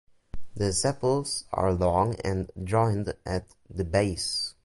The sepals are long and joined at the base.